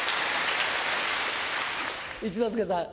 一之輔さん。